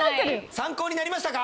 参考になりましたか？